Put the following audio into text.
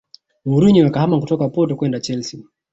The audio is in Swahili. Mourinho akahama kutoka porto kwenda Chelsea